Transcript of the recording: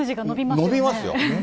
伸びますよ。